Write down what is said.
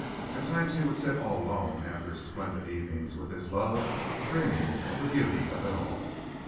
At times he would sit all alone after his splendid evenings with his love, dreaming of the beauty of it all.